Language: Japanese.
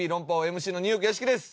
ＭＣのニューヨーク屋敷です。